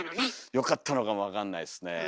よかったのかも分かんないですねえ。